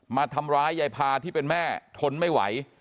มาทำร้ายยายพาที่เป็นแม่ทนไม่ไหว